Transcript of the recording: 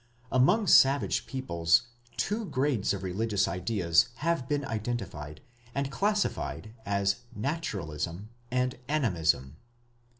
Among savage peoples two grades of religious ideas have been identified, and classified as Naturalism and Animism.